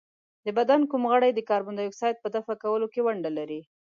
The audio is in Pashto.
د بدن کوم غړی د کاربن ډای اکساید په دفع کولو کې ونډه لري؟